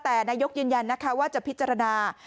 แต่นายกยืนยันนะคะว่าจะพิจารณา